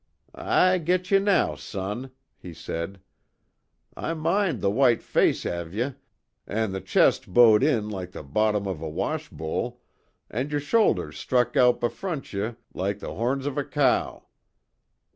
"I git ye now, son," he said, "I moind the white face av ye, an' the chist bowed in like the bottom av a wash bowl, an' yer shoulders stuck out befront ye loike the horns av a cow."